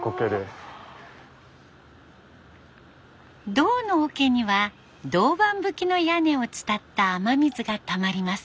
銅のおけには銅板葺きの屋根を伝った雨水がたまります。